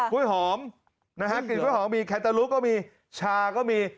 คุ้ยหอมนะครับกลิ่นคุ้ยหอมมีแคตาลูกก็มีชาก็มี